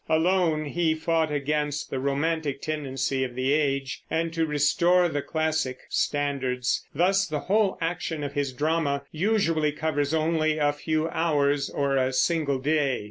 Alone he fought against the romantic tendency of the age, and to restore the classic standards. Thus the whole action of his drama usually covers only a few hours, or a single day.